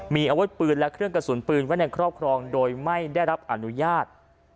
มีอาวุธปืนและเครื่องกระสุนปืนไว้ในครอบครองโดยไม่ได้รับอนุญาต